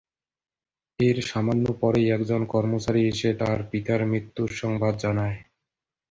এর সামান্য পরেই একজন কর্মচারী এসে তার পিতার মৃত্যুসংবাদ জানায়।